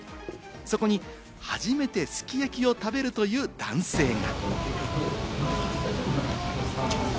そこに初めて、すき焼きを食べるという男性が。